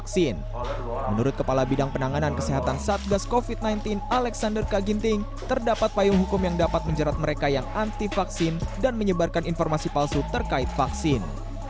menurut kepala bidang penanganan kesehatan satgas covid sembilan belas alexander kaginting terdapat payung hukum yang dapat menjerat mereka yang anti vaksin dan menyebarkan informasi palsu terkait vaksin